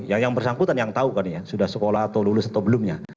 yang bersangkutan yang tahu kan ya sudah sekolah atau lulus atau belumnya